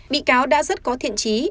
bị cáo đã rất có thiện trí